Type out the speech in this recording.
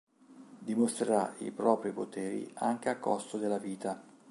Dimostrerà i propri poteri anche a costo della vita.